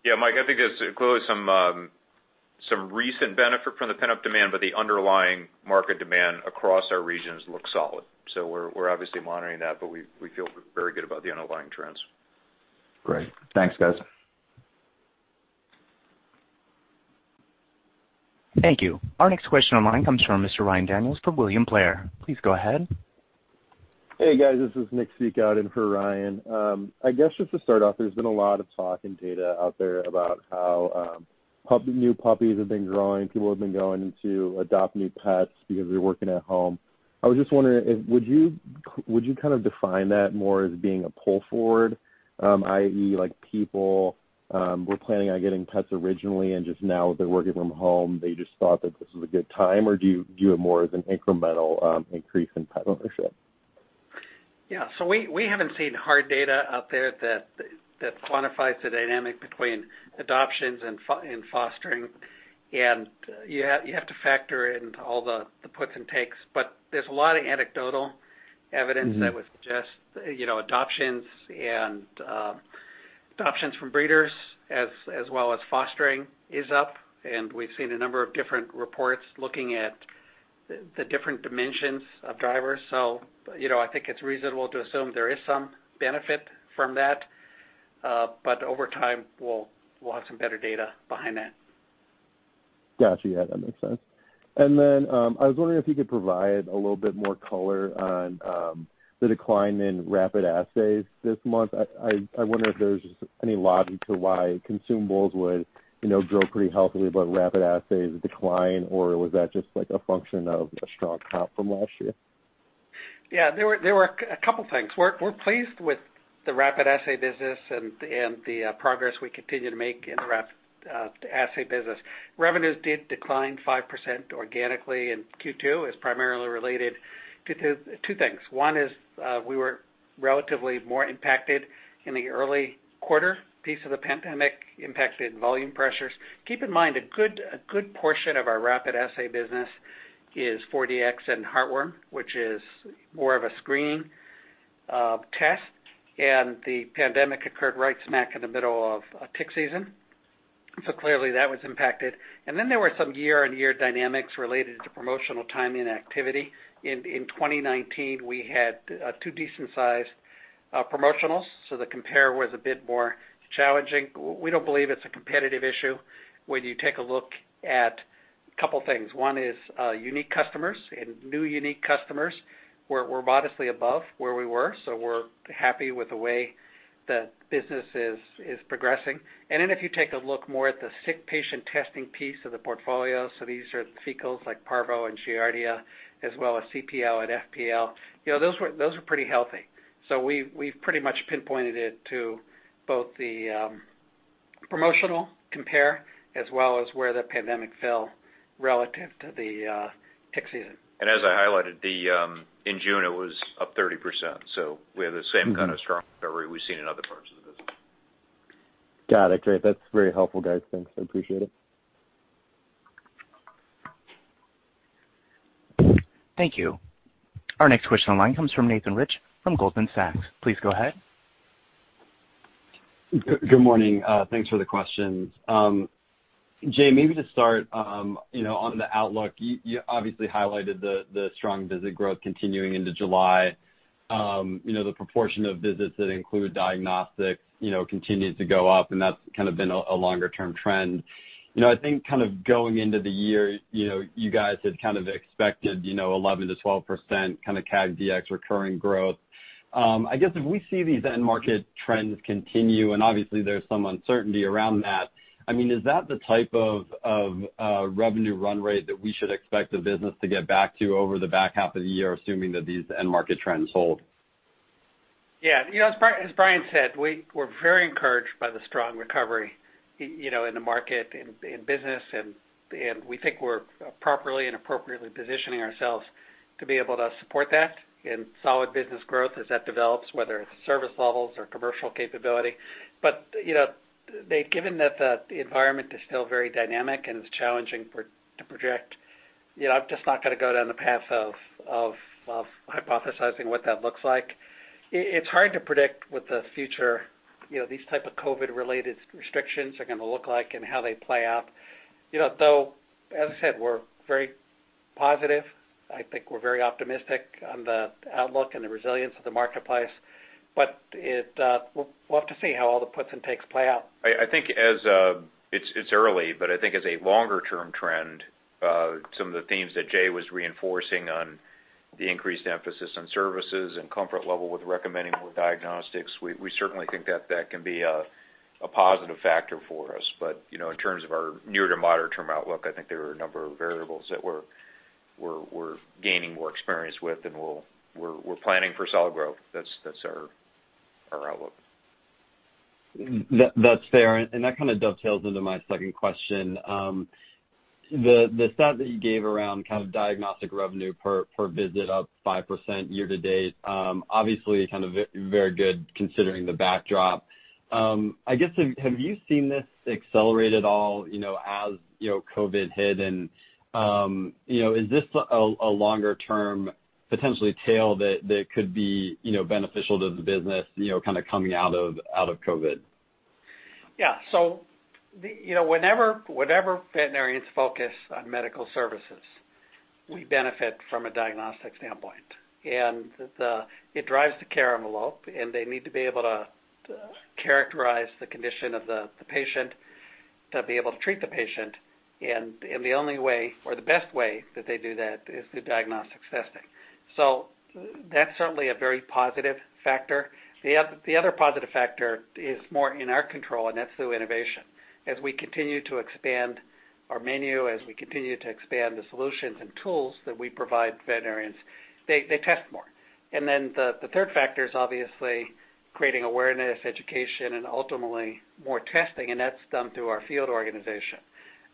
Yeah, Mike, I think there's clearly some recent benefit from the pent-up demand, but the underlying market demand across our regions looks solid. We're obviously monitoring that, but we feel very good about the underlying trends. Great. Thanks, guys. Thank you. Our next question online comes from Mr. Ryan Daniels from William Blair. Please go ahead. Hey, guys, this is Nick Popovici in for Ryan. I guess just to start off, there's been a lot of talk and data out there about how new puppies have been growing. People have been going to adopt new pets because they're working at home. I was just wondering, would you kind of define that more as being a pull forward, i.e., like people were planning on getting pets originally and just now they're working from home, they just thought that this was a good time? Do you view it more as an incremental increase in pet ownership? Yeah. We haven't seen hard data out there that quantifies the dynamic between adoptions and fostering, and you have to factor in all the puts and takes. There's a lot of anecdotal evidence that would suggest adoptions and adoptions from breeders as well as fostering is up, and we've seen a number of different reports looking at the different dimensions of drivers. I think it's reasonable to assume there is some benefit from that. Over time, we'll have some better data behind that. Gotcha. Yeah, that makes sense. I was wondering if you could provide a little bit more color on the decline in rapid assays this month. I wonder if there's any logic to why consumables would grow pretty healthily, but rapid assays decline, or was that just a function of a strong comp from last year? Yeah. There were a couple things. We're pleased with the rapid assay business and the progress we continue to make in the rapid assay business. Revenues did decline 5% organically in Q2, is primarily related to two things. One is, we were relatively more impacted in the early quarter piece of the pandemic, impacted volume pressures. Keep in mind, a good portion of our rapid assay business is 4Dx and heartworm, which is more of a screening test. The pandemic occurred right smack in the middle of tick season, clearly that was impacted. Then there were some year-on-year dynamics related to promotional timing activity. In 2019, we had two decent-sized promotionals, the compare was a bit more challenging. We don't believe it's a competitive issue when you take a look at couple things. One is unique customers and new unique customers. We're modestly above where we were, we're happy with the way the business is progressing. If you take a look more at the sick patient testing piece of the portfolio, these are fecals like Parvo and Giardia, as well as cPL and fPL, those were pretty healthy. We've pretty much pinpointed it to both the promotional compare as well as where the pandemic fell relative to the tick season. As I highlighted, in June, it was up 30%, so we have the same kind of strong recovery we've seen in other parts of the business. Got it. Great. That's very helpful, guys. Thanks. I appreciate it. Thank you. Our next question on the line comes from Nathan Rich from Goldman Sachs. Please go ahead. Good morning. Thanks for the questions. Jay, maybe to start, on the outlook, you obviously highlighted the strong visit growth continuing into July. The proportion of visits that include diagnostics continues to go up, and that's been a longer-term trend. I think going into the year, you guys had expected 11%-12% kind of CAG Dx recurring growth. I guess if we see these end market trends continue, and obviously there's some uncertainty around that, is that the type of revenue run rate that we should expect the business to get back to over the back half of the year, assuming that these end market trends hold? As Brian said, we're very encouraged by the strong recovery in the market, in business, we think we're properly and appropriately positioning ourselves to be able to support that in solid business growth as that develops, whether it's service levels or commercial capability. Given that the environment is still very dynamic and it's challenging to project, I'm just not going to go down the path of hypothesizing what that looks like. It's hard to predict what the future, these type of COVID-related restrictions are going to look like and how they play out. As I said, we're very positive. I think we're very optimistic on the outlook and the resilience of the marketplace. We'll have to see how all the puts and takes play out. I think it's early, but I think as a longer-term trend, some of the themes that Jay was reinforcing on the increased emphasis on services and comfort level with recommending more diagnostics, we certainly think that that can be a positive factor for us. But in terms of our near to moderate-term outlook, I think there are a number of variables that we're gaining more experience with, and we're planning for solid growth. That's our outlook. That's fair. That dovetails into my second question. The stat that you gave around diagnostic revenue per visit up 5% year-to-date, obviously very good considering the backdrop. I guess, have you seen this accelerate at all as COVID hit? Is this a longer-term, potentially tail that could be beneficial to the business coming out of COVID? Yeah. Whenever veterinarians focus on medical services, we benefit from a diagnostic standpoint. It drives the care envelope, and they need to be able to characterize the condition of the patient to be able to treat the patient. The only way, or the best way that they do that is through diagnostics testing. That's certainly a very positive factor. The other positive factor is more in our control, and that's through innovation. As we continue to expand our menu, as we continue to expand the solutions and tools that we provide veterinarians, they test more. The third factor is obviously creating awareness, education, and ultimately more testing, and that's done through our field organization,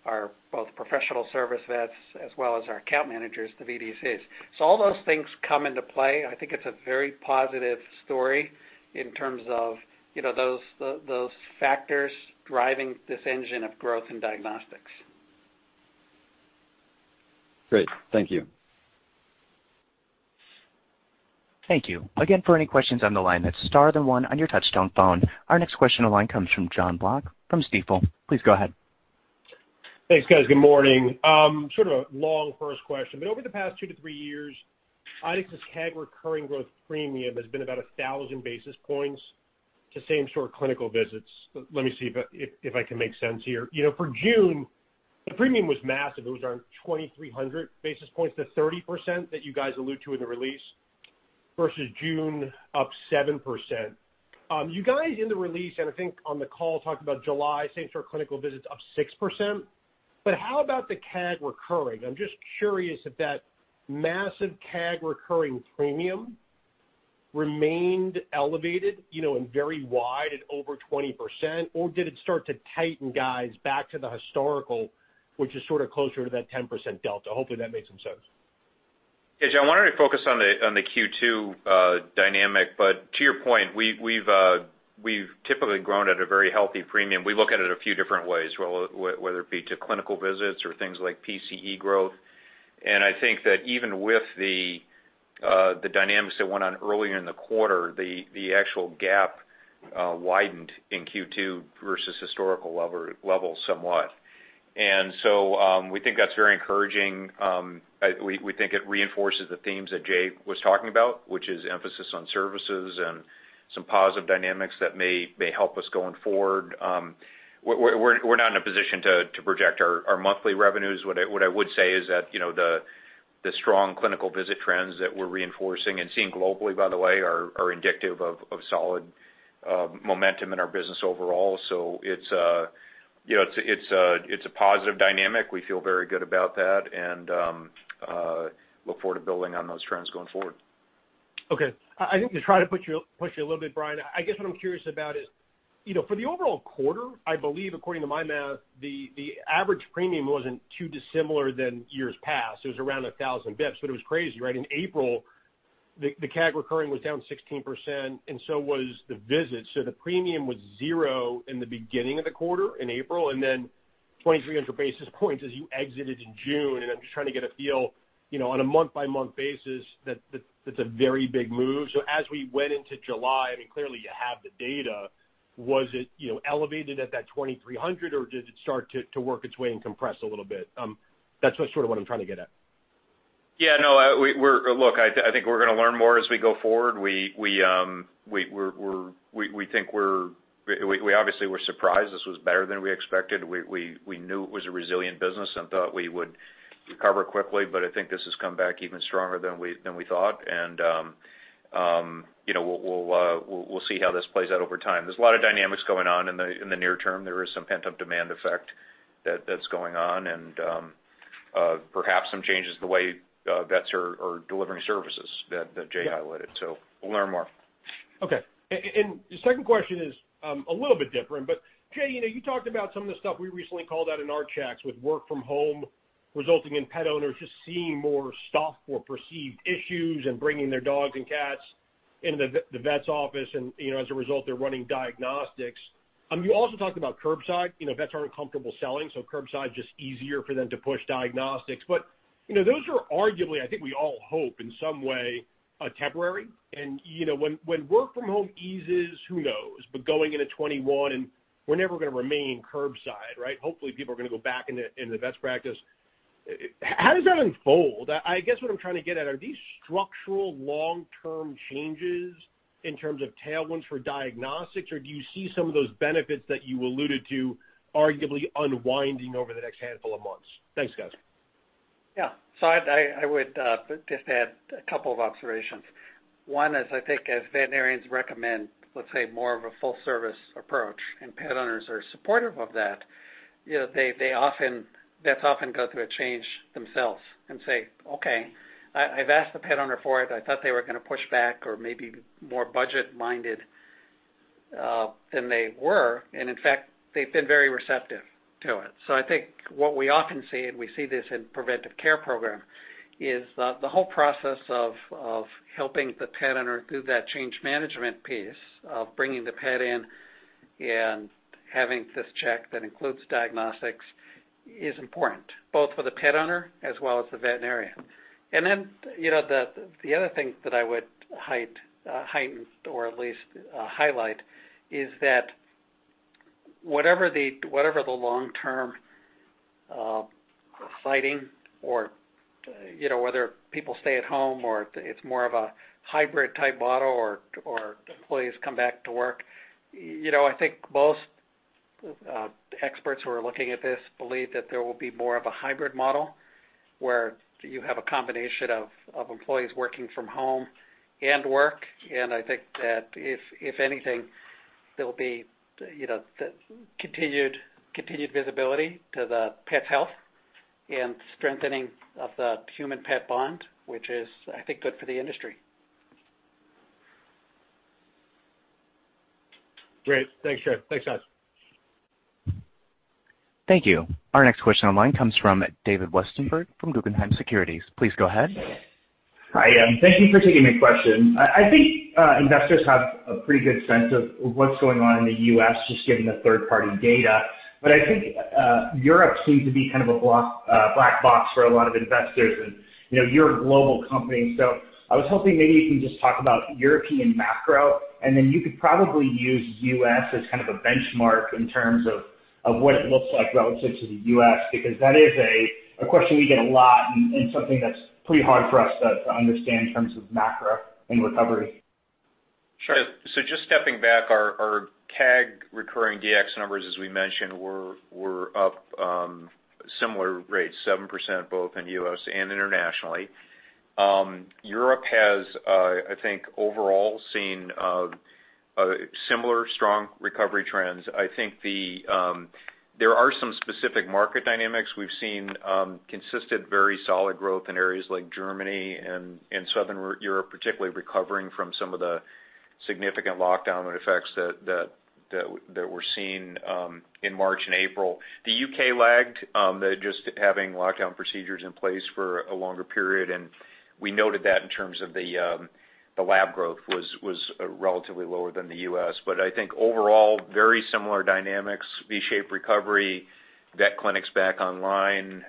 our both professional service vets as well as our account managers, the VDCs. All those things come into play, and I think it's a very positive story in terms of those factors driving this engine of growth in diagnostics. Great. Thank you. Thank you. Again, for any questions on the line, hit star then one on your touchtone phone. Our next question on the line comes from Jon Block from Stifel. Please go ahead. Thanks, guys. Good morning. Sort of a long first question. Over the past two to three years, IDEXX's CAG recurring growth premium has been about 1,000 basis points. To same-store clinical visits. Let me see if I can make sense here. For June, the premium was massive. It was around 2,300 basis points to 30% that you guys allude to in the release versus June up 7%. You guys, in the release, and I think on the call, talked about July same-store clinical visits up 6%. How about the CAG recurring? I'm just curious if that massive CAG recurring premium remained elevated and very wide at over 20%, or did it start to tighten, guys, back to the historical, which is sort of closer to that 10% delta? Hopefully, that makes some sense. Jon, why don't we focus on the Q2 dynamic? To your point, we've typically grown at a very healthy premium. We look at it a few different ways, whether it be to clinical visits or things like PCE growth. I think that even with the dynamics that went on earlier in the quarter, the actual gap widened in Q2 versus historical levels somewhat. We think that's very encouraging. We think it reinforces the themes that Jay was talking about, which is emphasis on services and some positive dynamics that may help us going forward. We're not in a position to project our monthly revenues. What I would say is that the strong clinical visit trends that we're reinforcing and seeing globally, by the way, are indicative of solid momentum in our business overall. It's a positive dynamic. We feel very good about that and look forward to building on those trends going forward. Okay. I think to try to push you a little bit, Brian, I guess what I'm curious about is, for the overall quarter, I believe according to my math, the average premium wasn't too dissimilar than years past. It was around 1,000 basis points, but it was crazy, right? In April, the CAG recurring was down 16%, and so was the visit. The premium was zero in the beginning of the quarter in April, and then 2,300 basis points as you exited in June. I'm just trying to get a feel, on a month-by-month basis, that's a very big move. As we went into July, I mean, clearly you have the data, was it elevated at that 2,300 or did it start to work its way and compress a little bit? That's what I'm trying to get at. Yeah. No. Look, I think we're going to learn more as we go forward. We obviously were surprised this was better than we expected. We knew it was a resilient business and thought we would recover quickly. I think this has come back even stronger than we thought. We'll see how this plays out over time. There's a lot of dynamics going on in the near term. There is some pent-up demand effect that's going on and perhaps some changes in the way vets are delivering services that Jay highlighted. We'll learn more. Okay. The second question is a little bit different, Jay, you talked about some of the stuff we recently called out in our chats with work from home resulting in pet owners just seeing more soft or perceived issues and bringing their dogs and cats into the vet's office. As a result, they're running diagnostics. You also talked about curbside. Vets aren't comfortable selling, curbside is just easier for them to push diagnostics. Those are arguably, I think we all hope in some way, temporary. When work from home eases, who knows? Going into 2021, we're never going to remain curbside, right? Hopefully, people are going to go back in the vet's practice. How does that unfold? I guess what I'm trying to get at, are these structural long-term changes in terms of tailwinds for diagnostics, or do you see some of those benefits that you alluded to arguably unwinding over the next handful of months? Thanks, guys. Yeah. I would just add a couple of observations. One is I think as veterinarians recommend, let's say, more of a full-service approach and pet owners are supportive of that, vets often go through a change themselves and say, "Okay, I've asked the pet owner for it. I thought they were going to push back or maybe more budget-minded than they were." In fact, they've been very receptive to it. I think what we often see, and we see this in IDEXX Preventive Care, is the whole process of helping the pet owner through that change management piece of bringing the pet in and having this check that includes diagnostics is important, both for the pet owner as well as the veterinarian. The other thing that I would heighten or at least highlight is that whatever the long-term sighting or whether people stay at home or it's more of a hybrid-type model or employees come back to work, I think most experts who are looking at this believe that there will be more of a hybrid model where you have a combination of employees working from home and work. I think that if anything, there'll be continued visibility to the pet's health and strengthening of the human-pet bond, which is, I think, good for the industry. Great. Thanks, Jay. Thanks, guys. Thank you. Our next question online comes from David Westenberg from Guggenheim Securities. Please go ahead. Hi, thank you for taking my question. I think investors have a pretty good sense of what's going on in the U.S. just given the third-party data. I think Europe seems to be kind of a black box for a lot of investors, and you're a global company. I was hoping maybe you can just talk about European macro, and then you could probably use U.S. as kind of a benchmark in terms of what it looks like relative to the U.S., because that is a question we get a lot and something that's pretty hard for us to understand in terms of macro and recovery. Sure. Just stepping back, our CAG DX recurring numbers, as we mentioned, were up similar rates, 7% both in U.S. and internationally. Europe has, I think, overall seen similar strong recovery trends. I think there are some specific market dynamics. We've seen consistent, very solid growth in areas like Germany and Southern Europe, particularly recovering from some of the significant lockdown effects that were seen in March and April. The U.K. lagged, just having lockdown procedures in place for a longer period, and we noted that in terms of the lab growth was relatively lower than the U.S. I think overall, very similar dynamics, V-shaped recovery, vet clinics back online,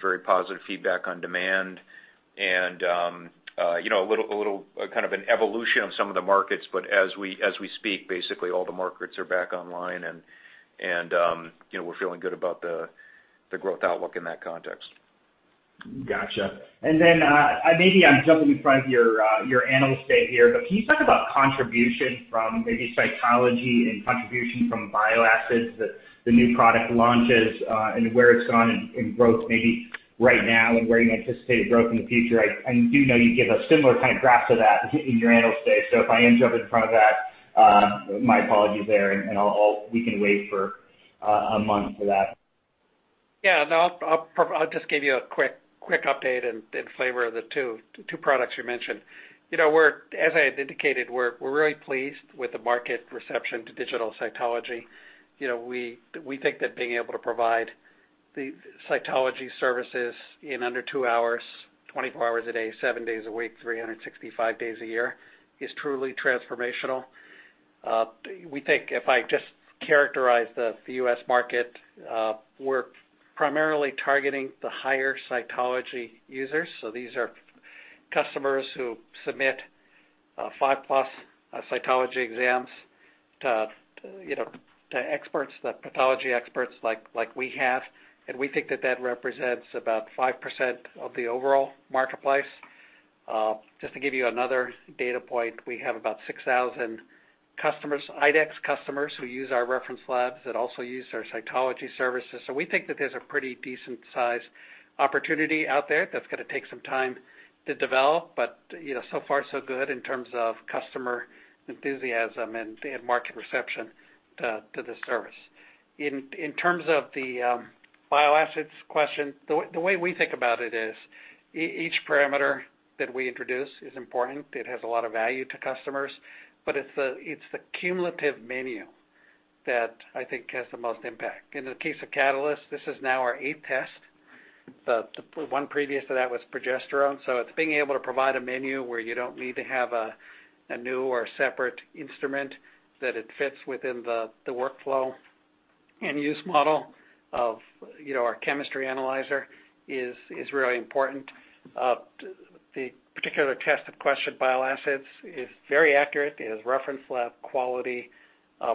very positive feedback on demand and a little evolution of some of the markets. As we speak, basically all the markets are back online and we're feeling good about the growth outlook in that context. Got you. Maybe I'm jumping in front of your Analyst Day here, but can you talk about contribution from maybe cytology and contribution from bile acids, the new product launches, and where it's gone in growth maybe right now, and where you anticipate growth in the future? I do know you give a similar kind of graph to that in your Analyst Day. If I am jumping in front of that, my apologies there, and we can wait for a month for that. Yeah. No, I'll just give you a quick update and flavor of the two products you mentioned. As I had indicated, we're really pleased with the market reception to digital cytology. We think that being able to provide the cytology services in under two hours, 24 hours a day, seven days a week, 365 days a year, is truly transformational. We think, if I just characterize the US market, we're primarily targeting the higher cytology users. These are customers who submit five-plus cytology exams to pathology experts like we have. We think that that represents about 5% of the overall marketplace. Just to give you another data point, we have about 6,000 IDEXX customers who use our reference labs that also use our cytology services. We think that there's a pretty decent-sized opportunity out there that's going to take some time to develop, but so far so good in terms of customer enthusiasm and market reception to the service. In terms of the bile acids question, the way we think about it is, each parameter that we introduce is important. It has a lot of value to customers, but it's the cumulative menu that I think has the most impact. In the case of Catalyst, this is now our eighth test. The one previous to that was progesterone. It's being able to provide a menu where you don't need to have a new or separate instrument, that it fits within the workflow and use model of our chemistry analyzer is really important. The particular test of question, bile acids, is very accurate. It has reference lab quality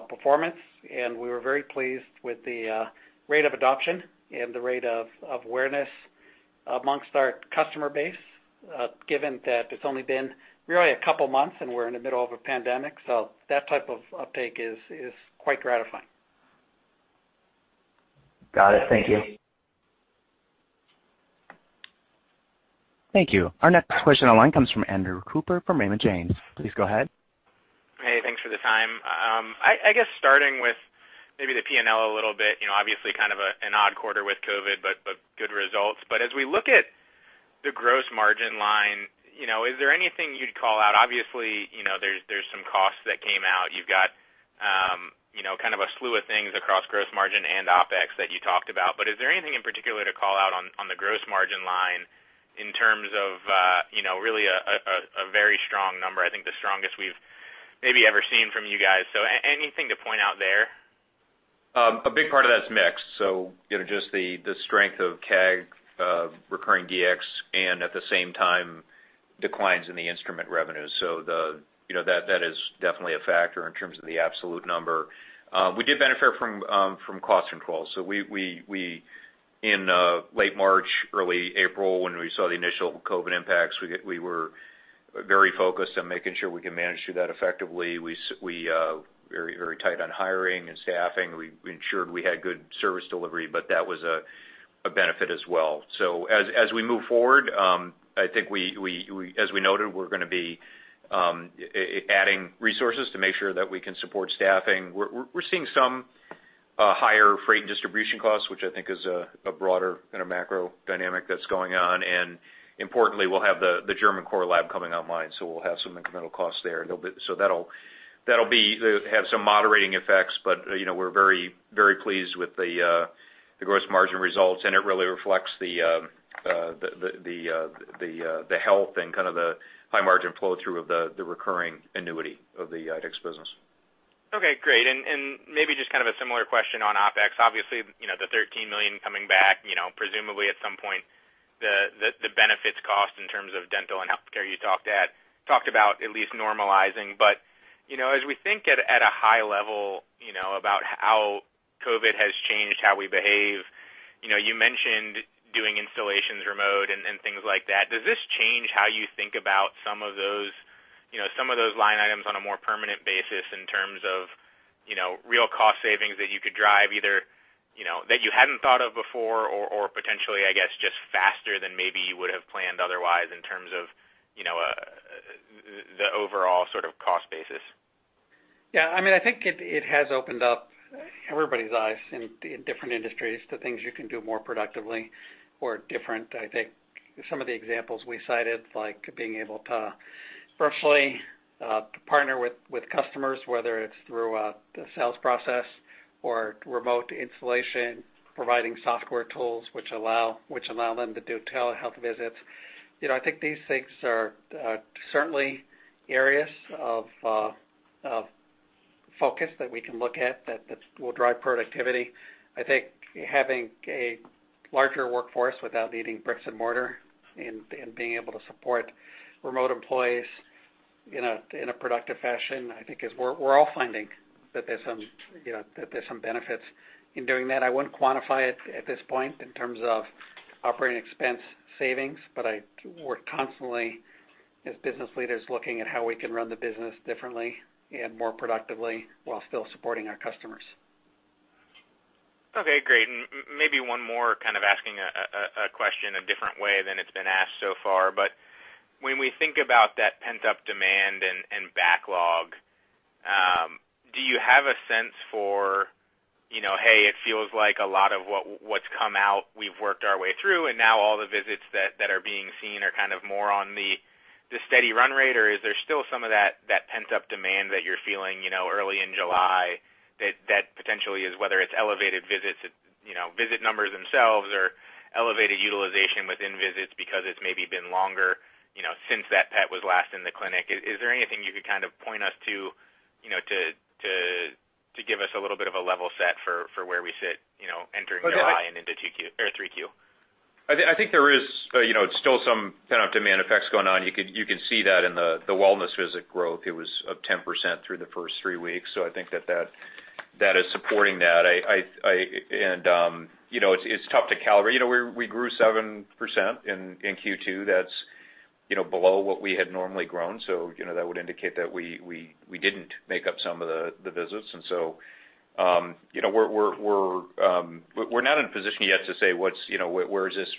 performance, and we were very pleased with the rate of adoption and the rate of awareness amongst our customer base, given that it's only been really a couple of months and we're in the middle of a pandemic. That type of uptake is quite gratifying. Got it. Thank you. Thank you. Our next question online comes from Andrew Cooper from Raymond James. Please go ahead. Hey, thanks for the time. I guess starting with maybe the P&L a little bit. Obviously, kind of an odd quarter with COVID, but good results. As we look at the gross margin line, is there anything you'd call out? Obviously, there's some costs that came out. You've got a slew of things across gross margin and OpEx that you talked about. Is there anything in particular to call out on the gross margin line in terms of really a very strong number, I think the strongest we've maybe ever seen from you guys. Anything to point out there? A big part of that is mix, just the strength of CAG recurring DX and at the same time, declines in the instrument revenues. That is definitely a factor in terms of the absolute number. We did benefit from cost controls. In late March, early April, when we saw the initial COVID impacts, we were very focused on making sure we can manage through that effectively. We were very tight on hiring and staffing. We ensured we had good service delivery, but that was a benefit as well. As we move forward, I think as we noted, we're going to be adding resources to make sure that we can support staffing. We're seeing some higher freight and distribution costs, which I think is a broader macro dynamic that's going on. Importantly, we'll have the German core lab coming online, so we'll have some incremental costs there. That'll have some moderating effects. We're very pleased with the gross margin results, and it really reflects the health and the high-margin flow-through of the recurring annuity of the IDEXX business. Okay, great. Maybe just a similar question on OpEx. Obviously, the $13 million coming back, presumably at some point. The benefits cost in terms of dental and healthcare you talked about at least normalizing. As we think at a high level about how COVID has changed how we behave, you mentioned doing installations remote and things like that. Does this change how you think about some of those line items on a more permanent basis in terms of real cost savings that you could drive either that you hadn't thought of before or potentially, I guess, just faster than maybe you would have planned otherwise in terms of the overall sort of cost basis? Yeah. I think it has opened up everybody's eyes in different industries to things you can do more productively or different, I think. Some of the examples we cited, like being able to virtually partner with customers, whether it's through the sales process or remote installation, providing software tools which allow them to do telehealth visits. I think these things are certainly areas of focus that we can look at that will drive productivity. I think having a larger workforce without needing bricks and mortar and being able to support remote employees in a productive fashion, I think is we're all finding that there's some benefits in doing that. I wouldn't quantify it at this point in terms of operating expense savings, but we're constantly, as business leaders, looking at how we can run the business differently and more productively while still supporting our customers. Okay, great. Maybe one more, kind of asking a question a different way than it's been asked so far. When we think about that pent-up demand and backlog, do you have a sense for, "Hey, it feels like a lot of what's come out, we've worked our way through, and now all the visits that are being seen are kind of more on the steady run rate?" Is there still some of that pent-up demand that you're feeling early in July that potentially is, whether it's elevated visit numbers themselves or elevated utilization within visits because it's maybe been longer since that pet was last in the clinic? Is there anything you could kind of point us to to give us a little bit of a level set for where we sit entering July and into Q3? I think there is still some pent-up demand effects going on. You can see that in the wellness visit growth. It was up 10% through the first three weeks. I think that is supporting that. It's tough to calibrate. We grew 7% in Q2. That's below what we had normally grown. That would indicate that we didn't make up some of the visits. We're not in a position yet to say where is this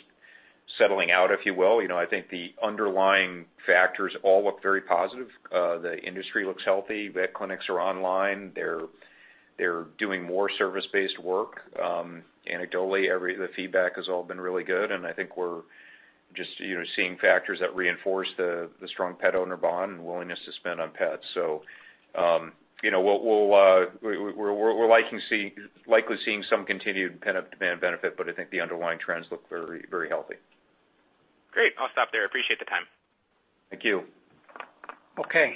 settling out, if you will. I think the underlying factors all look very positive. The industry looks healthy. Vet clinics are online. They're doing more service-based work. Anecdotally, the feedback has all been really good, and I think we're just seeing factors that reinforce the strong pet-owner bond and willingness to spend on pets. We're likely seeing some continued pent-up demand benefit, but I think the underlying trends look very healthy. Great. I'll stop there. Appreciate the time. Thank you. Okay.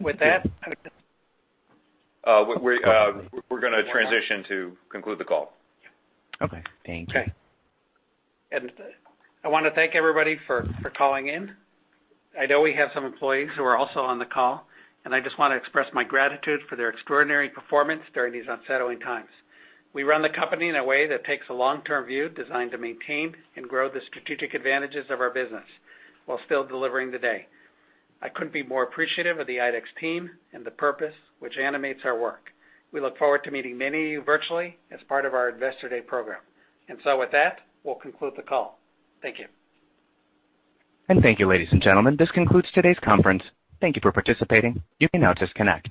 With that, We're going to transition to conclude the call. Okay. Thank you. Okay. I want to thank everybody for calling in. I know we have some employees who are also on the call, and I just want to express my gratitude for their extraordinary performance during these unsettling times. We run the company in a way that takes a long-term view designed to maintain and grow the strategic advantages of our business while still delivering today. I couldn't be more appreciative of the IDEXX team and the purpose which animates our work. We look forward to meeting many of you virtually as part of our Investor Day program. With that, we'll conclude the call. Thank you. Thank you, ladies and gentlemen. This concludes today's conference. Thank you for participating. You may now disconnect.